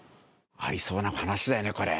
ありそうな話だよねこれ。